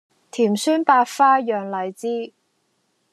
甜酸百花釀荔枝